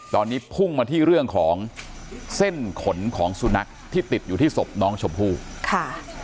ตอนนี้พุ่งมาที่เรื่องของเส้นขนของสุนัขที่ติดอยู่ที่ศพน้องชมพู่ค่ะ